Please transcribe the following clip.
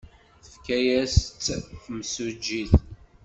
Tefka-as-tt temsujjit.